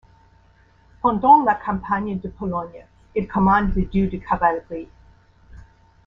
Pendant la campagne de Pologne, il commande le du de cavalerie.